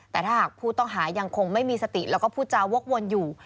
แต่ถ้าหากผู้ต้องหายังคงไม่มีสติแล้วก็พูดจาวกวนอยู่